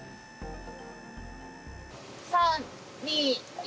３、２、１。